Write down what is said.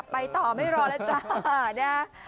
ไปต่อไม่รอแล้วจ้านะ